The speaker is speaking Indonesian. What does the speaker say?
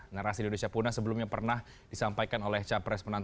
narasi indonesia puna sebelumnya pernah disampaikan oleh capres penantang